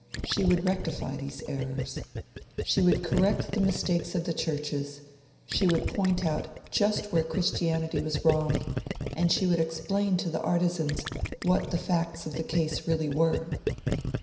She would rectify these errors. She would correct the mistakes of the Churches; she would point out just where Christianity was wrong; and she would explain to the artisans what the facts of the case really were.